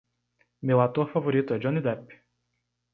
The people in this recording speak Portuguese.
Meu ator favorito é Johnny Depp.